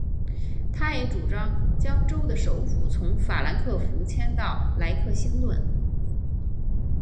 他也主张将州的首府从法兰克福迁到莱克星顿。